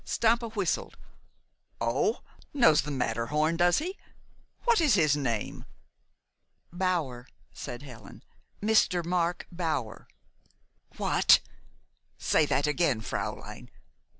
Stampa whistled. "Oh knows the Matterhorn, does he? What is his name?" "Bower," said Helen, "Mr. Mark Bower." "What! Say that again, fräulein!